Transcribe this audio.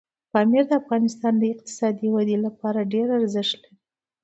پامیر د افغانستان د اقتصادي ودې لپاره ډېر ارزښت لري.